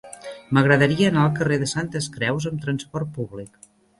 M'agradaria anar al carrer de Santes Creus amb trasport públic.